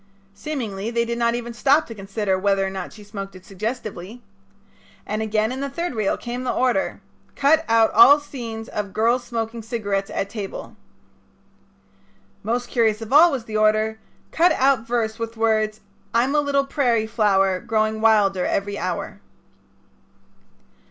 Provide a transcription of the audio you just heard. Seemingly they did not even stop to consider whether or not she smoked it suggestively. And again in the third reel came the order: "Cut out all scenes of girl's smoking cigarette at table." Most curious of all was the order: "Cut out verse with words: 'I'm a little prairie flower growing wilder every hour.'"